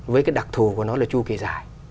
với cái đặc thù của nó là chu kỳ dài